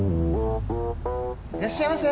いらっしゃいませ！